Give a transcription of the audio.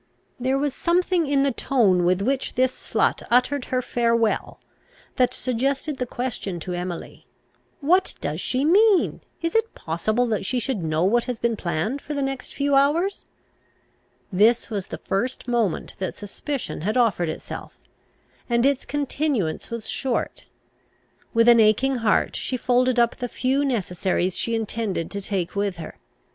There was something in the tone with which this slut uttered her farewell, that suggested the question to Emily, "What does she mean? Is it possible that she should know what has been planned for the few next hours?" This was the first moment that suspicion had offered itself, and its continuance was short. With an aching heart she folded up the few necessaries she intended to take with her.